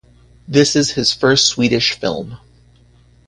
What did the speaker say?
This is his first Swedish film.